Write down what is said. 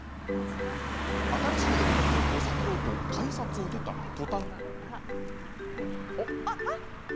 新しい駅の魅力を探ろうと改札を出たとたん。